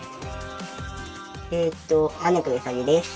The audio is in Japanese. えっとアネコユサギです。